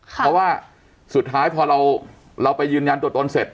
เพราะว่าสุดท้ายพอเราไปยืนยันตัวตนเสร็จ